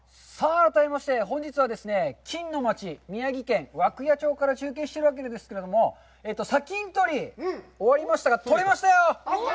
改めまして、本日はですね、金の町、宮城県涌谷町から中継しているわけですけれども、砂金採り、終わりましたが、採れましたよ！